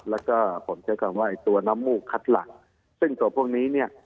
แล้วก็ผมใช้คำว่าตัวน้ำมูกคัดหลักซึ่งตัวพวกนี้เนี่ย